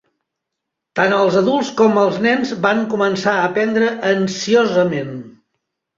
Tant els adults com els nens van començar a aprendre ansiosament.